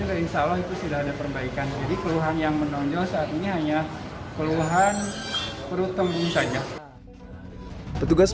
diberikan jadi keluhan yang menonjol saat ini hanya keluhan perut tembus saja petugas